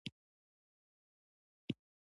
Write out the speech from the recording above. رسنی باید د پښتو ملاتړ وکړي.